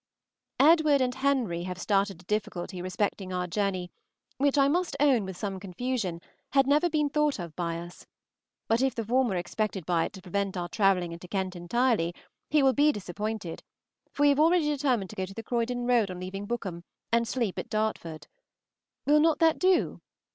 Edward and Henry have started a difficulty respecting our journey, which, I must own with some confusion, had never been thought of by us; but if the former expected by it to prevent our travelling into Kent entirely, he will be disappointed, for we have already determined to go the Croydon road on leaving Bookham and sleep at Dartford. Will not that do?